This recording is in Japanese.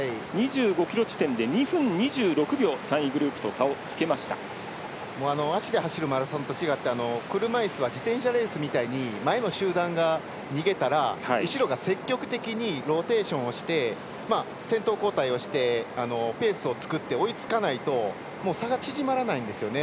５ｋｍ地点では２分２６秒、３位グループと足で走るマラソンと違って車いすは自転車レースみたいに前の集団が逃げたら後ろが積極的にローテーションをして先頭交代をしてペースを作って追いつかないと差が縮まらないんですよね。